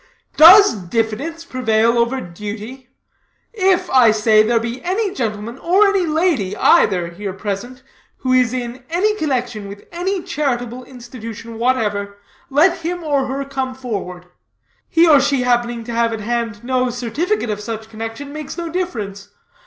"Does diffidence prevail over duty? If, I say, there be any gentleman, or any lady, either, here present, who is in any connection with any charitable institution whatever, let him or her come forward. He or she happening to have at hand no certificate of such connection, makes no difference.